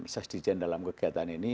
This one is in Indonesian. sdgn dalam kegiatan ini